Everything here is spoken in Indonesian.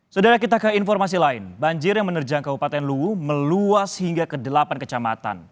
saudara kita ke informasi lain banjir yang menerjang kabupaten luwu meluas hingga ke delapan kecamatan